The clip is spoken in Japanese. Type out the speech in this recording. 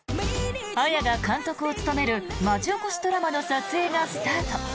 彩が監督を務める町おこしドラマの撮影がスタート。